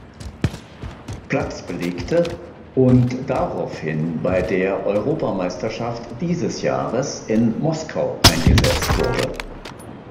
Platz belegte und daraufhin bei der Europameisterschaft dieses Jahres in Moskau eingesetzt wurde.